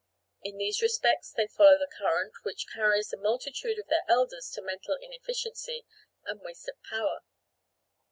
In these respects they follow the current which carries a multitude of their elders to mental inefficiency and waste of power.